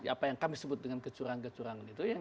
apa yang kami sebut dengan kecurangan